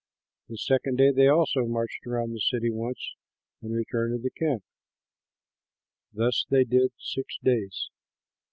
The second day they also marched around the city once and returned to the camp. Thus they did six days.